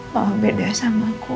mama beda sama aku